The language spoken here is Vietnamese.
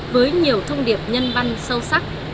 với nhiều thông điệp nhân văn sâu sắc